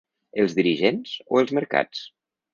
Els dirigents o els mercats?